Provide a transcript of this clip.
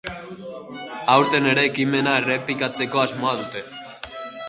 Aurten ere ekimena errepikatzeko asmoa dute.